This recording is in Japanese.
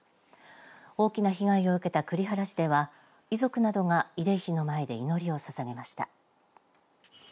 大きな被害を受けた栗原市では遺族などが慰霊碑の前で祈りをささげました。